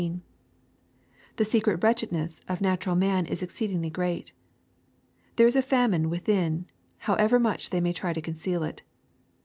The N| secret wretchedness of natural man is exceedingly great. There is a famine within, however much they may try to conceal it.